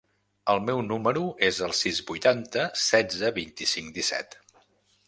El meu número es el sis, vuitanta, setze, vint-i-cinc, disset.